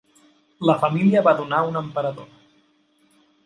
La família va donar un emperador.